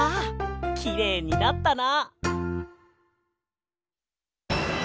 きれいになったな。